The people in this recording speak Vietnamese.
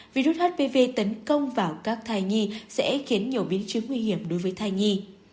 virus hpv tấn công vào các thai nhi sẽ khiến nhiều biến chứng nguy hiểm đối với thai nhi